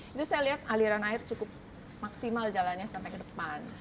itu saya lihat aliran air cukup maksimal jalannya sampai ke depan